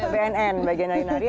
bnn bagian nari nari